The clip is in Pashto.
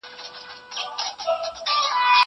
زه اوږده وخت لیکل کوم!